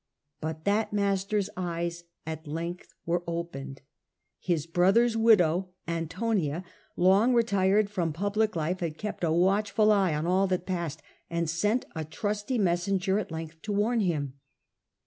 But that master's eyes at length were opened. His brother's widow, An tonia, long retired from public life, had kept a watchful eye on all that passed, and sent a trusty messenger at length to warn him.